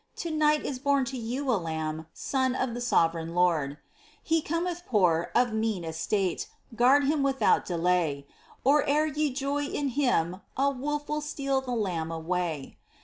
To night is born to you a Lamb, Son of the sovereign Lord ! He Cometh poor, of mean estate ; Guard Him without delay. Or e'er ye joy in Him, a wolf Will steal the Lamb away.